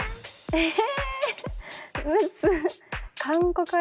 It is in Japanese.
ええ？